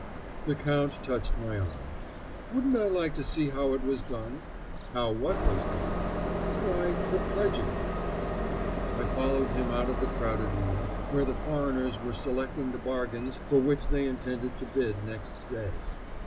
The Count touched my arm. Wouldn't I like to see how it was done? How what was done? Why, the pledging. I followed him out of the crowded room, where the foreigners were selecting the bargains for which they intended to bid next day.